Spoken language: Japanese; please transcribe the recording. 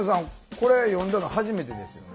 これ読んだの初めてですよね？